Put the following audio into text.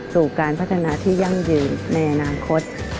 สู่การพัฒนาที่ยั่งยืนในอนาคต